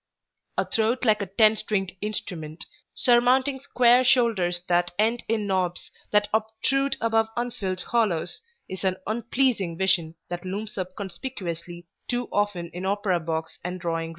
A throat like a ten stringed instrument, surmounting square shoulders that end in knobs that obtrude above unfilled hollows, is an unpleasing vision that looms up conspicuously too often in opera box and drawing room.